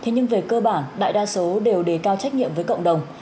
nhưng về cơ bản đại đa số đều đề cao trách nhiệm với cộng đồng